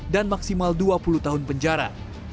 dan maksimal dua puluh tahun penjara